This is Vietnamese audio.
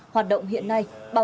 hoạt động hiện nay